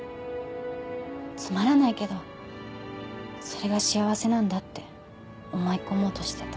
つまらないけどそれが幸せなんだって思い込もうとしてた。